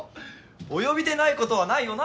お呼びでないことはないよな？